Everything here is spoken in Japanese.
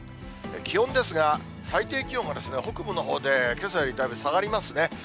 気温ですが、最低気温が北部のほうで、けさよりだいぶ下がりますね。